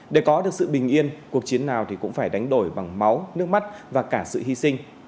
để có được sự bình yên cuộc chiến nào thì cũng phải đánh đổi bằng máu nước mắt và cả sự hy sinh